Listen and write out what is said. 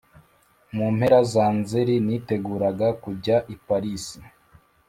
mu mpera za nzeri niteguraga kujya i parisi,